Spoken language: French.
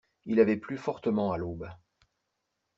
Il avait plu fortement à l'aube.